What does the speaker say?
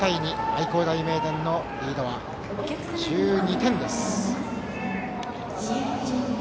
愛工大名電のリードは１２点です。